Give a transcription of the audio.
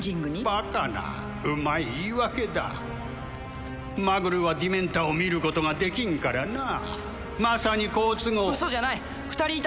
バカなうまい言い訳だマグルはディメンターを見ることができんからなまさに好都合嘘じゃない２人いたんだ